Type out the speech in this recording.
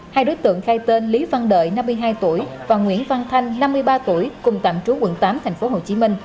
hai đối tượng khai tên lý văn đợi năm mươi hai tuổi và nguyễn văn thanh năm mươi ba tuổi cùng tạm trú quận tám tp hcm